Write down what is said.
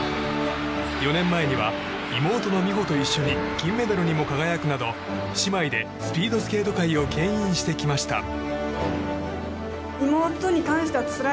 ４年前には妹の美帆と一緒に金メダルにも輝くなど姉妹でスピードスケート界を牽引してきました。